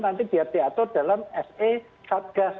nanti biar diatur dalam se satgas